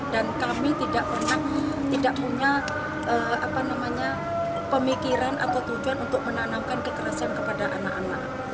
dan kami tidak pernah tidak punya pemikiran atau tujuan untuk menanamkan kekerasan kepada anak anak